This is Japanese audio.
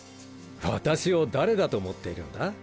私を誰だと思っているんだ？